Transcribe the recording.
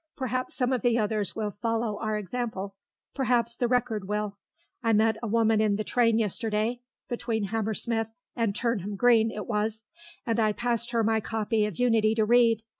Perhaps some of the others will follow our example. Perhaps the Record will. I met a woman in the train yesterday (between Hammersmith and Turnham Green it was), and I passed her my copy of Unity to read.